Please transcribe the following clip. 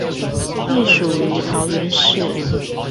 隸屬於桃園市